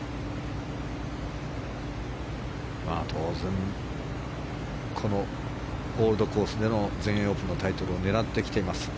当然このオールドコースでの全英オープンのタイトルを狙ってきています。